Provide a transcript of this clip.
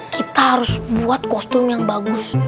kita harus buat kostum yang bagus